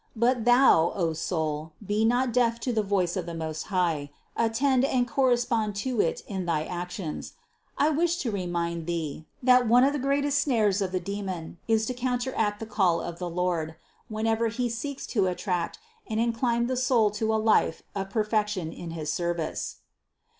But thou, O soul, be not deaf to the voice of the Most High, attend and cor respond to it in thy actions: I wish to remind thee, that one of the greatest snares of the demon is to counteract THE CONCEPTION 335 the call of the Lord, whenever he seeks to attract and incline the soul to a life of perfection in his service.